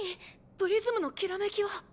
プリズムのきらめきは。